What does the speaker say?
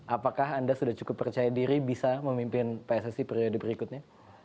apakah anda sudah cukup percaya diri bisa memimpin pssi periode berikutnya